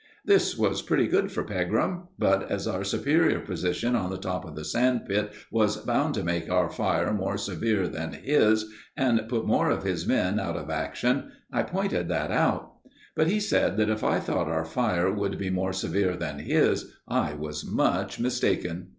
This was pretty good for Pegram; but as our superior position on the top of the sand pit was bound to make our fire more severe than his, and put more of his men out of action, I pointed that out. But he said that if I thought our fire would be more severe than his, I was much mistaken.